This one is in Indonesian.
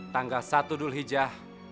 tanggal satu dulhijah